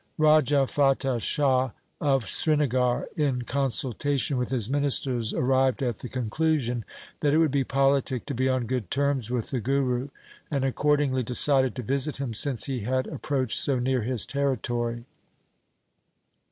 Raja Fatah Shah of Srinagar in consultation with his ministers arrived at the conclusion that it would be politic to be on good terms with the Guru, and accordingly decided to visit him since he had ap proached so near his territory.